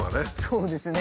そうですね。